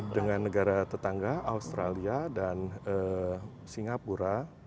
dengan negara tetangga australia dan singapura